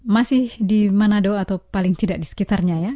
masih di manado atau paling tidak di sekitarnya ya